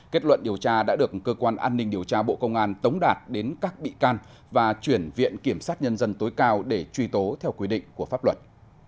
kết luận điều tra đã được cơ quan an ninh điều tra bộ công an tống đạt đến các bị can và chuyển viện kiểm sát nhân dân tối cao để truy tố theo quy định của pháp luật